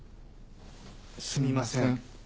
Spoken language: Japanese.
すみません。